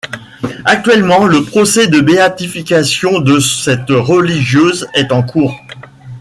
Actuellement, le procès de béatification de cette religieuse est en cours.